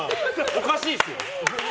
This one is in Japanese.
おかしいですよ。